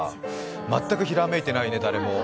全くひらめいてないね、誰も。